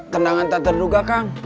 tendangan tak terduga kang